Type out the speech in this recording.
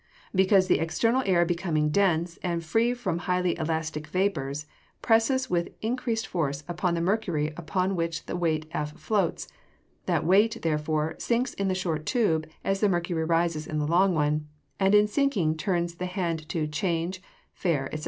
_ Because the external air becoming dense, and free from highly elastic vapours, presses with increased force upon the mercury upon which the weight F floats; that weight, therefore, sinks in the short tube as the mercury rises in the long one, and in sinking turns the hand to Change, Fair, &c.